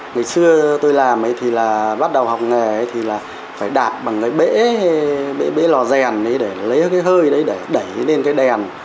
ngày xưa tôi làm thì là bắt đầu học nghề thì là phải đạp bằng cái bể bể lò rèn để lấy cái hơi đấy để đẩy lên cái đèn